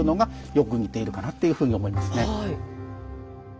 よく似ているかなっていうふうに思いますね。